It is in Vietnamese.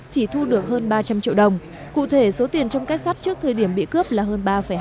chỉ thu được hơn ba trăm linh triệu đồng cụ thể số tiền trong các sắt trước thời điểm bị cướp là hơn ba hai mươi ba